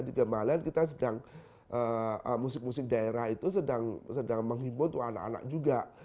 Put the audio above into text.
di gembalain kita sedang musik musik daerah itu sedang menghibur untuk anak anak juga